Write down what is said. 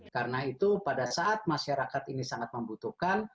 karena itu pada saat masyarakat ini sangat membutuhkan